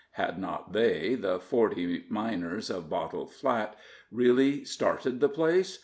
Had not they, the "Forty" miners of Bottle Flat, really started the place?